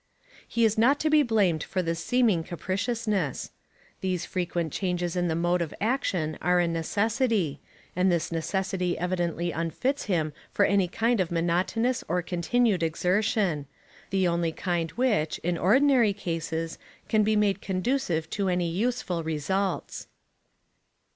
He is not to be blamed for this seeming capriciousness. These frequent changes in the mode of action are a necessity, and this necessity evidently unfits him for any kind of monotonous or continued exertion the only kind which, in ordinary cases, can be made conducive to any useful results.